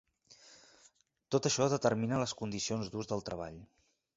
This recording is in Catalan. Tot això determina les condicions d’ús del treball.